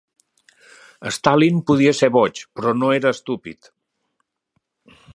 Stalin podia ser boig, però no era estúpid.